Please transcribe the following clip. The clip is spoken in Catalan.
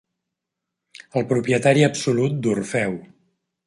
El propietari absolut d'Orfeu.